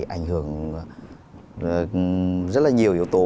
ảnh hưởng rất là nhiều yếu tố